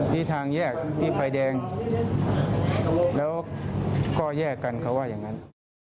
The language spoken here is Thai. ที่ทางแยกที่ไฟแดงแล้วก็แยกกันเขาว่าอย่างนั้น